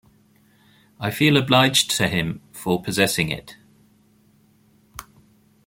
I feel obliged to him for possessing it.